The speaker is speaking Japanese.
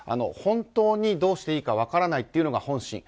本当にどうしていいか分からないというのが本心。